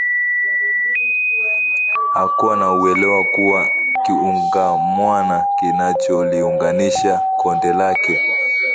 Hakuwa na uelewa kuwa kiungamwana kinacholiunganisha kondo lake